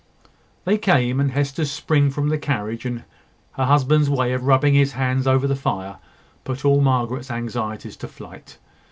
They came; and Hester's spring from the carriage, and her husband's way of rubbing his hands over the fire, put all Margaret's anxieties to flight.